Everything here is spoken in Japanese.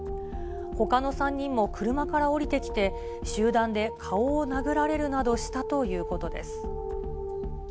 ほかの３人も車から降りてきて、集団で顔を殴られるなどしたということです。